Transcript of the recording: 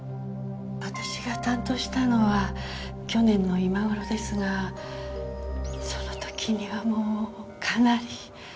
私が担当したのは去年の今頃ですがその時にはもうかなり。